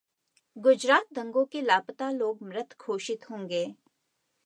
गुजरात दंगों के लापता लोग मृत घोषित होंगे